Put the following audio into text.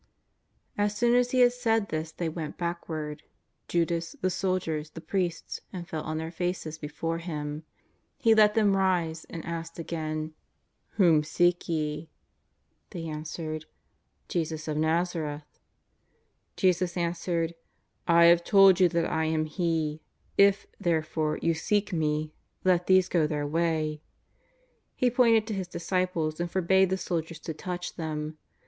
As soon as He had said this they went backward — Judas, the soldiers, the priests — and fell on their faces before Him. He let them rise, and asked again: " Whom seek ye ?" They answered :" Jesus of !N'azareth." Jesus answered: "I liave told you that I am He; if, therefore, you seek !Me, let these go their way." He pointed to His disciples, and forbade the soldiers to touch them.